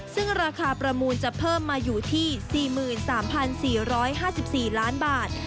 ซึ่งราคาประมูลจะเพิ่มมาอยู่ที่๔๓๔๕๔ล้านบาท